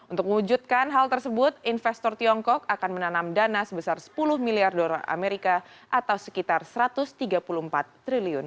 untuk mewujudkan hal tersebut investor tiongkok akan menanam dana sebesar sepuluh miliar dolar amerika atau sekitar rp satu ratus tiga puluh empat triliun